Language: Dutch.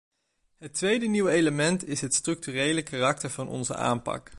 Het tweede nieuwe element is het structurele karakter van onze aanpak.